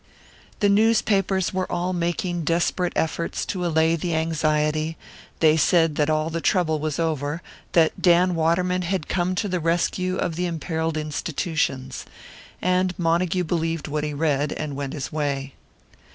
The newspapers were all making desperate efforts to allay the anxiety they said that all the trouble was over, that Dan Waterman had come to the rescue of the imperilled institutions. And Montague believed what he read, and went his way.